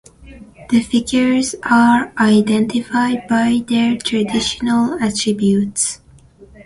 The figures are identified by their traditional attributes.